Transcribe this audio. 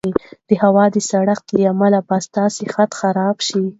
د هوا د سړښت له امله به ستا صحت خراب شي.